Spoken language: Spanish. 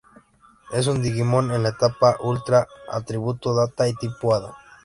Es un Digimon en la etapa Ultra, atributo Data y tipo Hada.